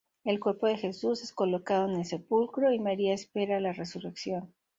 El cuerpo de Jesús es colocado en el sepulcro y María espera la Resurrección.